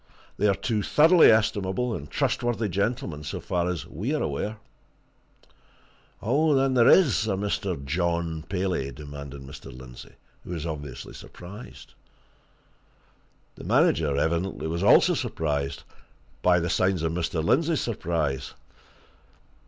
They are two thoroughly estimable and trustworthy gentlemen, so far as we are aware." "Then there is a Mr. John Paley?" demanded Mr. Lindsey, who was obviously surprised. The manager, evidently, was also surprised by the signs of Mr. Lindsey's surprise.